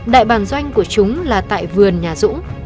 đại bàn doanh của chúng là tại vườn nhà dũng